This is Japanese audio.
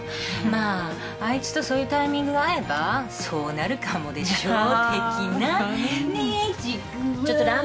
まああいつとそういうタイミングが合えばそうなるかもでしょ的な？ねえ。ちくわ。